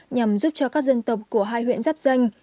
nhằm giúp cho các dân tộc của hai huyện giáp danh